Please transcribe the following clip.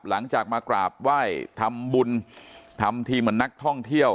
หลังจากมากราบไหว้ทำบุญทำทีเหมือนนักท่องเที่ยว